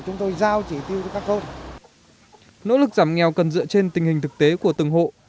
nỗ lực giảm nghèo cần dựa trên tình hình thực tế của từng hộ